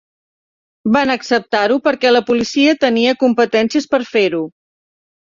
Van acceptar-ho perquè la policia tenia competències per fer-ho.